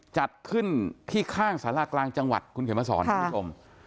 จัดขึ้นที่ข้างสารากลางจังหวัดคุณเขียนมาสอนคุณผู้ชม